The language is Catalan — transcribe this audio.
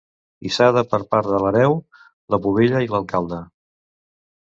Hissada per part de l'hereu, la pubilla i l'alcalde.